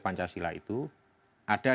pancasila itu ada